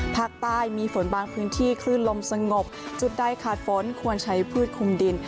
ภาคใต้มีฝนบางพื้นที่คลื่นลมสงบจุดใดขาดฝนควรใช้พืชคุมดิน